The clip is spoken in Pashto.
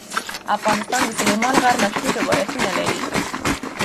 افغانستان د سلیمان غر مشهور روایتونه لري.